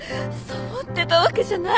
サボってたわけじゃない。